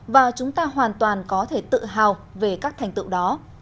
và chúng ta hoàn toàn có thể tự hào về các thành tựu đó